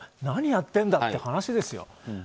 何やってんだよという話ですよ。